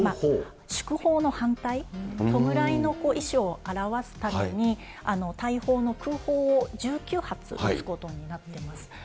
祝砲の反対、弔いの意思を表すために、大砲の空砲を１９発撃つことになってます。